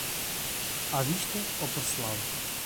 À vista ou parcelado?